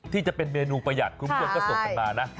จะเป็นเมนูประหยัดคุณผู้ชมก็ส่งกันมานะ